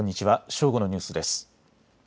正午のニュースです。